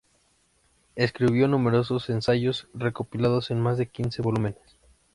Escribió numerosos ensayos recopilados en más de quince volúmenes.